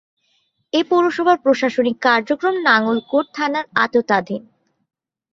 এ পৌরসভার প্রশাসনিক কার্যক্রম নাঙ্গলকোট থানার আওতাধীন।